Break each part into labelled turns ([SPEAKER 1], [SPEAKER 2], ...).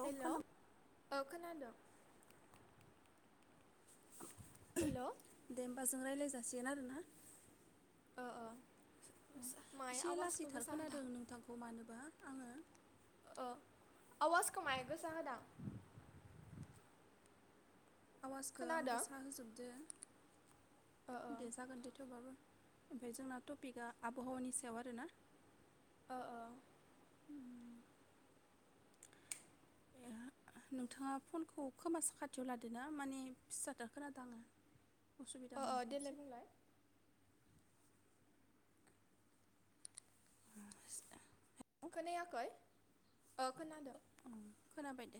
[SPEAKER 1] औ
[SPEAKER 2] हेल'
[SPEAKER 1] खोना
[SPEAKER 2] औ खोनादों। हेल' ओ
[SPEAKER 1] दे होमबा जों राय्लाय जा सिगोन आरोना।
[SPEAKER 2] ओ ओ। माय
[SPEAKER 1] एसे
[SPEAKER 2] आवाजखौ
[SPEAKER 1] लासैथार
[SPEAKER 2] गोसा होदां
[SPEAKER 1] खोनादों नोंथांखौ मानोबा। आङो
[SPEAKER 2] ओ आवाजखौ माइक गोसा होदां।
[SPEAKER 1] आवाजखो आं
[SPEAKER 2] खोनादों
[SPEAKER 1] गोसा होजोबदों।
[SPEAKER 2] ओ
[SPEAKER 1] दे
[SPEAKER 2] ओ
[SPEAKER 1] जागोन दे थेवबाबो। ओमफाय जोंना टपिकआ आबहावानि सायाव आरोना।
[SPEAKER 2] ओ
[SPEAKER 1] नोंथाङा फनखौ खोमा साखाथियाव लादोना माने फिसाथार खोनादों आङो। असुबिदा
[SPEAKER 2] ओ ओ
[SPEAKER 1] मोनदों
[SPEAKER 2] देलाय
[SPEAKER 1] एसे।
[SPEAKER 2] बुंलाय
[SPEAKER 1] [inaudible]
[SPEAKER 2] औ खोनादों।
[SPEAKER 1] खोनाबाय दे।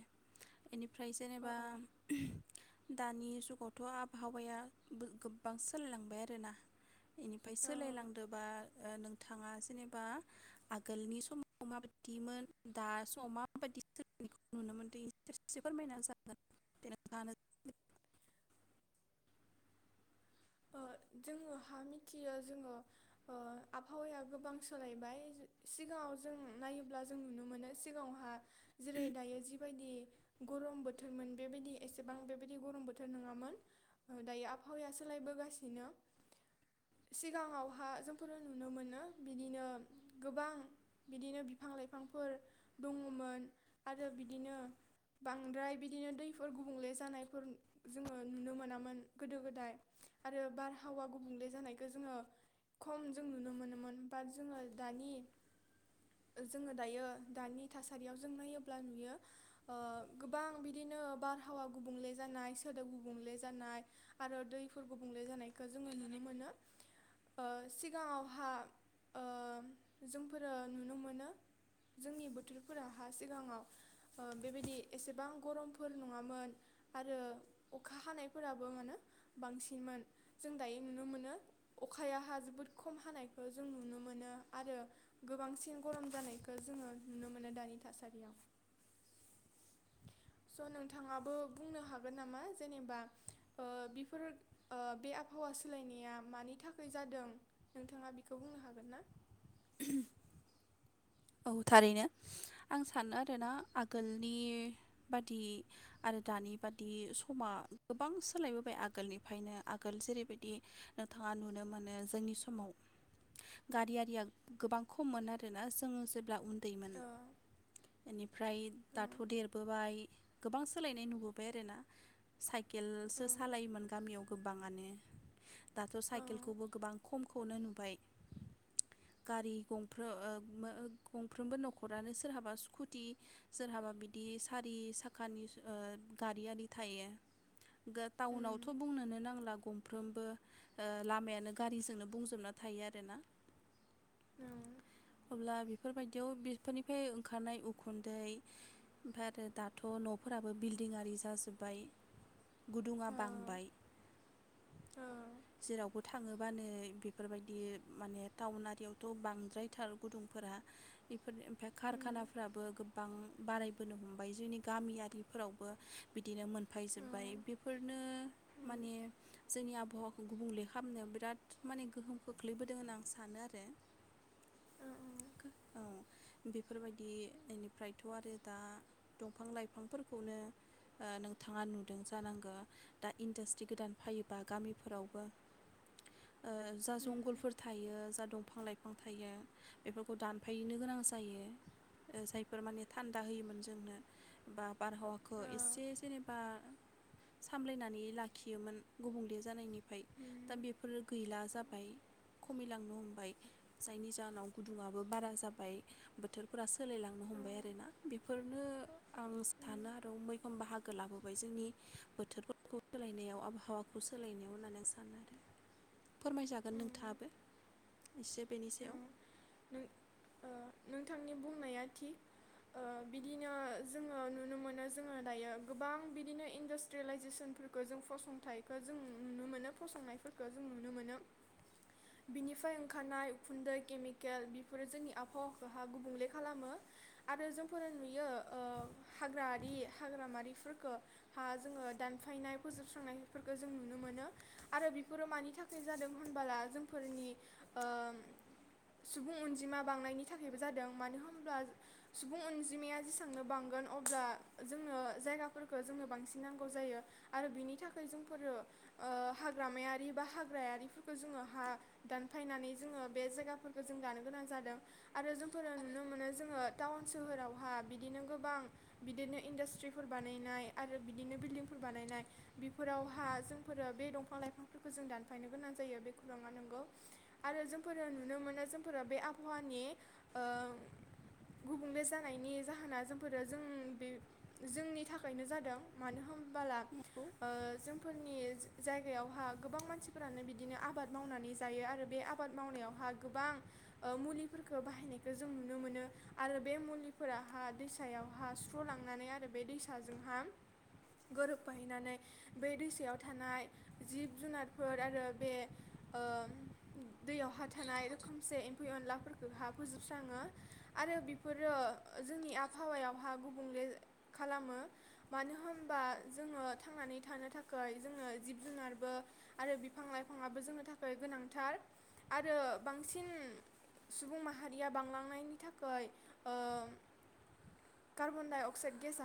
[SPEAKER 1] बेनिफ्राय जेनेबा
[SPEAKER 2] ओ ओ
[SPEAKER 1] दानि जुगावथ' आबहावाया गो-गोबां सोलायलांबाय आरोना। बेनिफ्राय
[SPEAKER 2] ओ
[SPEAKER 1] सोलायलांदोबा ओ नोंथाङा जेनेबा आगोलनि समाव माबायदिमोन दा सम मा [inaudible] नुनो मोनदों एसे फोरमायना [inaudible]
[SPEAKER 2] ओ जोङोहा मिथियो जोङो ओ आबहावाया गोबां सोलायबाय सिगाङाव जों नायोब्ला जों नुनो मोनो सिगाङावहा जेरै दायो जिबायदि गरम बोथोरमोन बेबायदि एसेबां बेबायदि गरम बोथोर नोङामोन दायो आबहावाया सोलायबो गासिनो सिगाङावहा जोंफोरो नुनो मोनो बिदिनो गोबां बिदिनो बिफां लाइफांफोर दङमोन आरो बिदिनो बांद्राय बिदिनो दैफोर गुबुंले जानायफोर जोङो नुनो मोनामोन गोदो गोदाय। आरो बारहावा गुबुंले जानायखौ जोङो खम जों नुनो मोनोमोन बाट जोङो दानि जोङो दायो दानि थासारियाव जों नायोब्ला नुयो ओ गोबां बिदिनो बारहावा गुबुंले जानाय सोदोब गुबुंले जानाय आरो दैफोर गुबुंले जानायखौ जोङो नुनो मोनो ओ सिगाङावहा ओ जोंफोरो नुनो मोनो जोंनि बोथोरफोरा हा सिगाङाव ओ बेबायदि एसेबां गरमफोर नङामोन आरो अखा हानायफोराबो मानोे बांसि मोन जों दायो नुनो मोनो अखायाहा जोबोद खम हानायखौ जों नुनो मोनो आरो गोबांसिन गरम जानायखौ जोङो नुनो मोनो दानि थासारियाव स नोंथाङाबो बुंनो हागोन नामा जेनेबा ओ बेफोर ओ बे आबहावा सोलायनाया मानि थाखाय जादों नोंथाङा बेखौ बुंनो हागोन ना?
[SPEAKER 1] [inaudible] औ थारैनो आं सानो आरोना आगोलनि बादि आरो दानि बादि समा गोबां सोलायबोबाय आगोलनिफ्रायनो आगोल जेरैबायदि नोंथाङा नुनो मोनो जोंनि समाव गारि आरिया गोबां खममोन आरोना जोंङो जेब्ला उन दैमोन। बेनिफ्राय दाथ' देरबोबाय गोबां सोलायनाय नुबोबाय आरोना साइकेलसो सालायोमोन गामियाव गोबाङानो। दाथ' साइकेलखौबो गोबां खम खौनो नुबाय गारि गंफ्रो ओ मो ओ गंफ्रोमबो नखरानो सोरहाबा स्कुटि सोरहाबा बिदि सारि साखानि गारि आरि थायो। गो टाउनावथ' बुंनोनो नांला गं फ्रोमबो लामायानो गारिजोंनो बुंजोबना थायो आरोना।
[SPEAKER 2] उम
[SPEAKER 1] अब्ला बे फोरबायदियाव बेफोरनिफ्राय ओंखारनाय उखुन्दै ओमफ्राय आरो दाथ' नफोराबो बिल्दिं आरि जाजोब्बाय। गुदुङा बांबाय। जेरावबो थाङोबा नै बेफोरबायदि माने टाउन आरियावथ' बांद्रायथार गुदुंफोरा। बेफोर ओमफाय कारखानाफ्राबो गोबां बारायबोनो हमबाय जोंनि गामियारिफोरावबो बिदिनो मोनफैजोब्बाय बेफोरनो माने जोंनि आबहावाखौ गुबुंले खालामनो बिराद माने गोहोम खोख्लैबोदों होनना आं सानो आरो औ बेफोरबायदि बेनिफ्रायथ' आरो दा दंफां-लाइफांफोरखौनो नोंथाङा नुदों जानांगौ दा इन्डास्ट्रि गोदान फैयोबा गामिफोरावबो ओ जा जंगलफोर थायो जा दंफां - लाइफां थायो बेफोरखौ दान दानफायनो गोनां जायो जायफोर माने थान्दा होयोमोन जोंनो बा बारहावाखौ एसे जेनेबा बा सामलायनानै लाखियोमोन गुबुंले जानायनि दा बेफोरो गैला जाबाय खमायलांनो हमबाय जायनि जाहोनाव गुदुङाबो बारा जाबाय बोथोरफोरासो सोलायलांनो हमबाय आरोना बेफो बेफोरनो आं सानो आरो मैखोम बाहागो लाबोबाय जोंनि बोथोरफोरखौ सोलायनायाव आबहावाखौ सोलायनायाव होननानै आं सानो आरो फोरमायजागोन नोंथाङाबो एसे बेनि सायाव
[SPEAKER 2] नों ओ, नोंथांनि बुंनाया थिग ओ बिदिनो जोङो नुनो मोनो जों दायो गोबां इन्डास्ट्रियेलाइजेसनफोरखौ जों फसंथाइखौ जों नुनो मोनो फसंनायफोरखौ जों नुनो मोनो बिनिफ्राय ओंखारनाय उखुन्दै केमिक केल बेफोरो जोंनि आबहावाखौ हा गुबुंले खालामो आरो जोंफोरो नुयो ओ हाग्रारि हाग्रामारिफोरफोरखो हा जोङो दानफायनाय फोजोबस्रांनायफोरखो जों नुनो मोनो आरो बेफोरो मानि थाखाय जादों होनबोला जोंफोरनि ओ सुबुं अनजिमा बांनायनि थाखायबो जादों मानो होनब्ला सुबुं अनजिमाया जेसेबांनो बांगोन अब्ला जोंनो जायगाफोरखौ जोंनो बांसिन नांगौ जायो आरो बिनि थाखाय जोंफोरो हाग्रामायारि बा हाग्रायारिफोरखौ जोङो हा दानफायनानै जोङो बे जायगाफोर जों दानो गोनां जादों आरो जोंफोरो नुनो मोनो जोङो टाउन सोहोरावहा बिदिनो गोबां बिदिनो इंडस्ट्रिफोर बानायनाय आरो बिदिनो बिल्डिंफोर बानायनाय बेफोरावहा जोंफोरो बे दंफां लाइफांफोरखौ जों दानफायनो गोनां जायो बे खौराङा नोंगौ आरो जोंफोरो नुनो मोनो। जोंफोरो बे आबहावानि ओ गुबुंले जानायनि जाहोना जोंफोरो जों बे जोंनि थाखायनो जादों मानो होन होनबाला
[SPEAKER 1] नंगौ
[SPEAKER 2] ओ जोंफोरनि जायगायावहा गोबां मानसिफोरानो बिदिनो आबाद मावनानै जायो आरो बे आबाद मावनायावहा गोबां ओ मुलिफोरखौ बाहायनायखौ जों नुनो मोनो आरो बे मुलिफोराहा दैसायावहा सुस्रलांनानै आरो बे दैसाजोंहा गोरोबफाहैनानै बे दैसायाव थानाय जिब जुनारफोर आरो बे ओ दैयाव हा थानाय से एम्फौ एनलाफोरफोरखौहा फोजोबस्राङो आरो बेफोरो जोंनि आबहावहा गुबुंले खालामो मानो होनबा जोङो थांनानै थानो थाखाय जोङो जिब जुनारबो आरो बिफां लाइफाङाबो जोंनो थाखाय गोनांथार आरो बांसिन सुबुं माहारिया बांलांनायनि थाखाय कार्बनडाइ अक्साइड गेस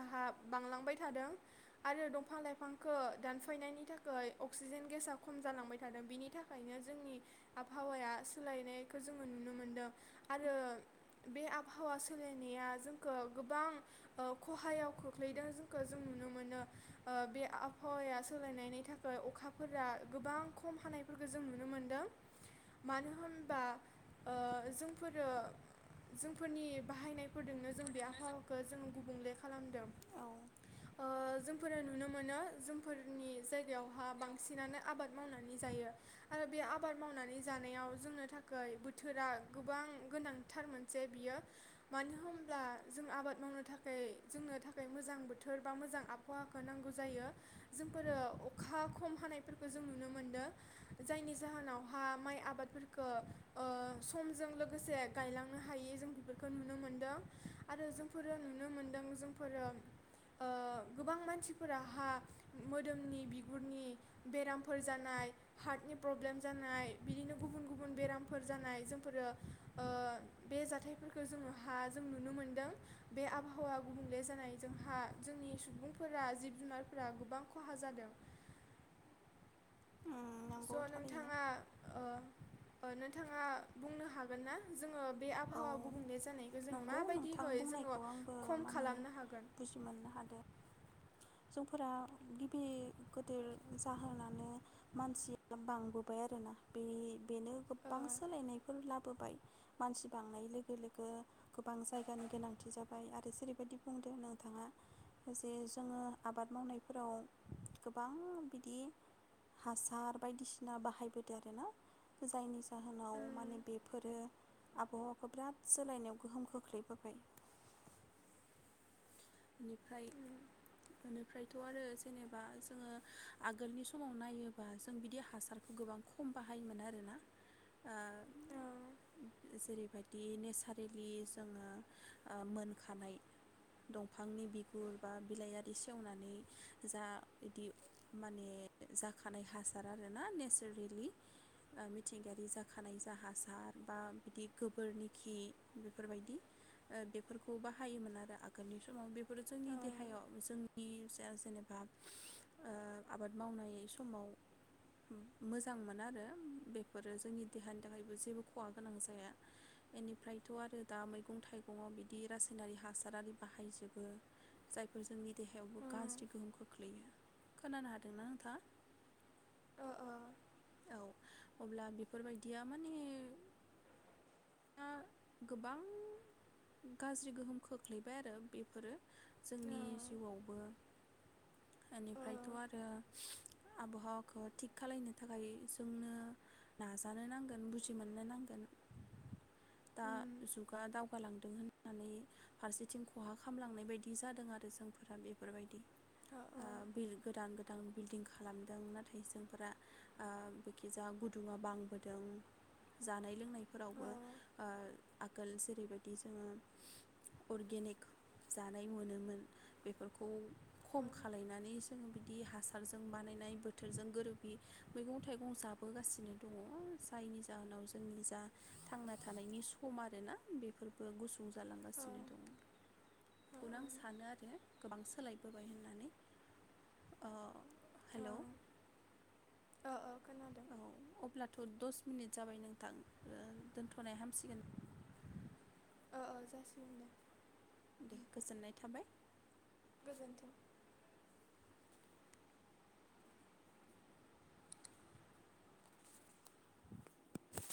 [SPEAKER 2] बांलांबाय थादों आरो दंफां - लाइफांखौ दानफायनायनि थाखाय अक्सिजेन गेसा खम जालांबाय थादों बिनि थाखायनो जोंनि आबहावाया सोलायनायखौ जोङो नुनो मोनदों आरो बे आबहावा सोलायनाया जोंखौ गोबां खहायाव खोख्लैदों जोंखौ जों नुनो मोनो बे आबहावाया सोलायनायनि थाखाय अखाफोरा गोबां खम हानायफोरखौ जों नुनो मोनदों मानो होनबा ओ जोंफोरो जोंफोरनि बाहायनायफोरजों जों बे आबहावाखौ जोंङो गुबुंले खालामदों।
[SPEAKER 1] औ उम
[SPEAKER 2] ओ जोंफोरो नुनो मोनो जोंफोरनि जायगायावहा बांसिनानो आबाद मावनानै जायो आरो बे आबाद मावनानै जानायाव जोंनो थाखाय बोथोरा गोबां गोनांथार मोनसे बियो मानो होनब्ला जों आबाद मावनो थाखाय जोंनो थाखाय मोजां बोथोर बा मोजां आबहावाखौ नांगौ जायो जोंफोरो अखा खम हानायफोरखौ जों नुनो मोनदों जायनि जाहोनावहा माइ आबादफोर खो ओ समजों लोगोसे गायलांनो हायै जों बेफोरखौ नुनो मोनदों आरो जोंफोरो नुनो मोनदों जोंफोरो ओ गोबां मानसिफोराहा मोदोमनि बिगुरनि बेरामफोर जानाय हार्टनि प्रब्लेम जानाय बिदिनो गुबुन गुब गुबुन बेरामफोर जानाय जोंफोरो ओ बे जाथायफोरखौ जोंहा जों नुनो मोनदों बे आबहावा गुबुंले जानाय जोंहा जोंनि सुबुंफोरा जिब जुनारफोरा गोबां खहा जादों। स
[SPEAKER 1] नंगौ थारैनो
[SPEAKER 2] नोंथाङा ओ ओ नोंथाङा बुंनो हागोन ना जोङो बे
[SPEAKER 1] औ
[SPEAKER 2] आबहावा गुबुंले जानायखौ जों
[SPEAKER 1] नंगौ नोंथां
[SPEAKER 2] माबायदिहै जोङो
[SPEAKER 1] बुंनायखौ आंबो
[SPEAKER 2] खम
[SPEAKER 1] माने
[SPEAKER 2] खालामनो हागोन।
[SPEAKER 1] बुजि मोननो हादों जोंफोरा गिबि गोदोर जाहोनानो मानसिया बांबोबाय आरोना बे बेनो
[SPEAKER 2] ओ
[SPEAKER 1] गोबां सोलायनायफोर लाबो बोबाय मानसि बांनाय लोगो लोगो गोबां जायगानि गोनांथि जाबाय आरो जेरैबायदि बुंदो नोंथाङा जे जोङो। आबाद मावनायफोराव गोबां बिदि हासार बायदिसिना बाहायबोदों आरोना जायनि जाहोनाव
[SPEAKER 2] उम
[SPEAKER 1] माने बेफोरो आबहावाखौ बिराद सोलायनायाव गोहोम खोख्लैबोबाय। बेनिफ्राय
[SPEAKER 2] उम
[SPEAKER 1] बेनिफ्रायथ आरो जेनेबा जोङो आगोलनि समाव नायोबा जों बिदि हासारखौ गोबां खम बाहायोमोन आरोना ओ
[SPEAKER 2] औ
[SPEAKER 1] जेरैबायदि नेचारेलि जोङो ओ मोनखानाय। दंफांनि बिगुर बा बिलाय आरि सेवनानै जा इदि माने जाखानाय हासार आरोना नेचारेलि मिथिंगायारि जाखानाय जा हासार बा इदि गोबोरनि खि बेफोरबायदि ओ बेफोरखौ बाहायोमोन आरो आ गोल समाव बे फोरो जोंनि देहायाव जों नि जा जेनेबा ओ आबाद मावनाय समाव मोजां मोनो आरो बेफोरो जोंनि देहानि थाखायबो जेबो खहा गोनां जाया बेनिफ्रायथ' आरो दा मैगं-थाइगंयाव बिदि रासायनारि हासार आरि बाहायजोबो जायफोर जोंनि देहायावबो गाज्रि गोहोम खो खोलैयो खोनानो हादोंना नोंथां।
[SPEAKER 2] ओ ओ
[SPEAKER 1] औ अब्ला बेफोर बायदिया माने गोबां गाज्रि गोहोम खोख्लैबाय आरो बेफोरो जोंनि जिउयावबो ओनिफ्रायथ' आरो आबहावाखौ थिग खालायनो थाखाय जोंनो नाजानो नांगोन बुजि मोननो नांगोन दा जुगा दाव बालांदों होननानै फारसेथिं खहा खामलांनाय बायदि जादों आरो जोंफोरा बेफोरबायदि आ
[SPEAKER 2] खोनादों
[SPEAKER 1] बिल गोदान गो दां बिल्डिं खालामदों नाथाय जोंफोरा आ बेखिजाया गुदुङा बांबोदों जानाय लोंनायफोरावबो ओ आगोल जेरैबायदि जोङो अरगेनिक जानाय मोनोमोन बेफोरखौ खम खालायनानै जोङो बिदि हासारजों बानायनाय बोथोरजों गोरोब मैंगं-थाइगं जाबोगासिनो दङ जायनि जोनाव जोंनि जा थांना थानायनि सम आरोना बेफोरबो गुस नुजालांगासिनो दं खौनो आं सानो आरो गोबां सोलायबोबाय होननानै ओ हेलौ, औ अब्लाथ दस मिनिट जाबाय नोंथां ओ दोन्थनाय हामसिगोन
[SPEAKER 2] अ अ जासिगोन दे।
[SPEAKER 1] दे गोजोननाय थाबाय
[SPEAKER 2] गोजोन्थों।